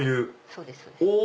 そうです。